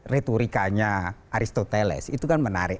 retorikanya aristoteles itu kan menarik